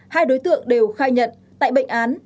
hai đối tượng đều khai nhận tại bệnh án